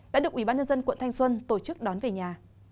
đã được ủy ban nhân dân quận thanh xuân tổ chức đón về nhà